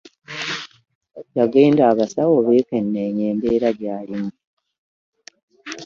Yagenda abasawo bakennenye embeera jalimu .